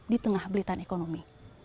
di tengah belitan ekonomi